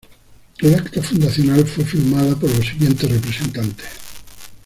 El acta fundacional fue firmada por los siguientes representantes.